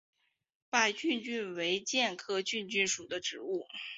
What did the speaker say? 白梭梭为苋科梭梭属的植物。